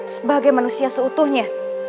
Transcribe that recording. sebagai manusia seutuhnya